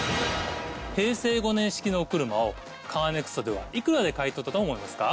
平成５年式のお車をカーネクストでは幾らで買い取ったと思いますか？